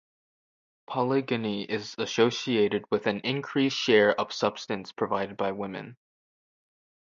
Polygyny is associated with an increased sharing of subsistence provided by women.